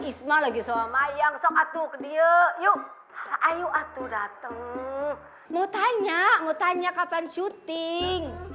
isma lagi sama mayang sok atuh ke die yuk ayu atuh dateng mau tanya mau tanya kapan syuting